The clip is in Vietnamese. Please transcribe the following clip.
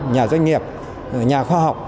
nhà doanh nghiệp nhà khoa học